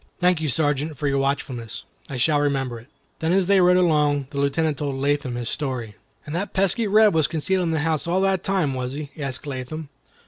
"Thank you, Sergeant, for your watchfulness. I shall remember it." Then as they rode along, the Lieutenant told Latham his story. "And that pesky Reb was concealed in the house all the time, was he?" asked Latham.